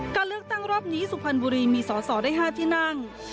การเลือกตั้งรอบนี้สุพรรณบุรีมีสอสอได้๕ที่นั่ง